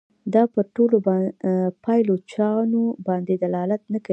دا پر ټولو پایلوچانو باندي دلالت نه کوي.